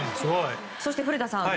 そして、古田さん。